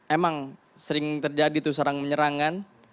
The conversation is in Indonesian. emang sering terjadi tuh serang menyerangan